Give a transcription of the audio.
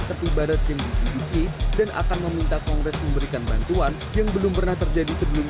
terpibarat yang dibutuhkan dan akan meminta kongres memberikan bantuan yang belum pernah terjadi